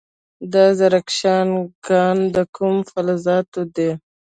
د زرکشان کان د کومو فلزاتو دی؟